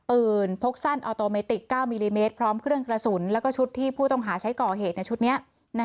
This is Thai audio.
พกสั้นออโตเมติก๙มิลลิเมตรพร้อมเครื่องกระสุนแล้วก็ชุดที่ผู้ต้องหาใช้ก่อเหตุในชุดนี้